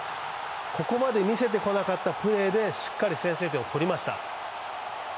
ここまで見せてこなかったプレーでしっかり先制点を取りました。